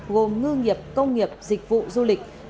gồm ngư nghiệp công nghiệp dịch vụ du lịch